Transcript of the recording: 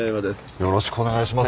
よろしくお願いします。